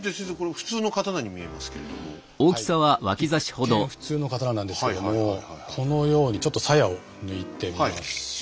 一見普通の刀なんですけどもこのようにちょっとさやを抜いてみましょう。